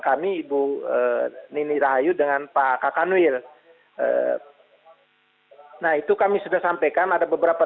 kami ibu nini rahayu dengan pak kakanwil nah itu kami sudah sampaikan ada beberapa